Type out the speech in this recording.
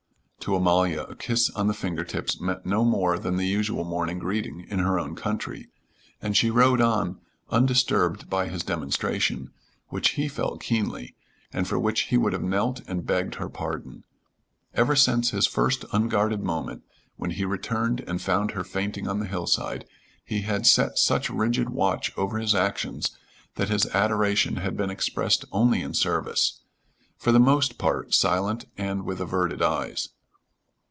To Amalia a kiss on the finger tips meant no more than the usual morning greeting in her own country, and she rode on undisturbed by his demonstration, which he felt keenly and for which he would have knelt and begged her pardon. Ever since his first unguarded moment when he returned and found her fainting on the hillside, he had set such rigid watch over his actions that his adoration had been expressed only in service for the most part silent and with averted eyes.